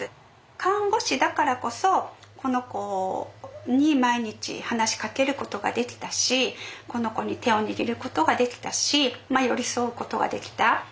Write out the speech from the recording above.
看護師だからこそこの子に毎日話しかけることができたしこの子に手を握ることができたし寄り添うことができた。